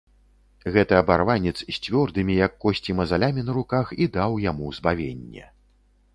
Гэты абарванец з цвёрдымі, як косці, мазалямі на руках і даў яму збавенне.